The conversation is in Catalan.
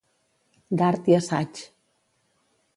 D'art i assaig.